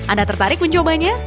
anda tertarik mencobanya